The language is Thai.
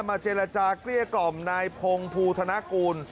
เจรจาเกลี้ยกล่อมนายพงภูธนกูล